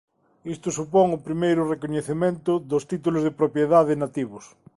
Isto supón o primeiro recoñecemento dos títulos de propiedade nativos.